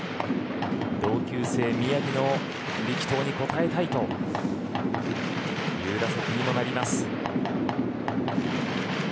同級生、宮城の力投に応えたいという打席にもなります。